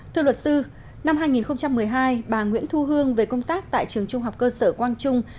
thưa luật sư năm hai nghìn một mươi hai bà nguyễn thu hương về công tác tại trường trung học cơ sở quang trung